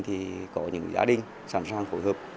thì có những gia đình sẵn sàng phối hợp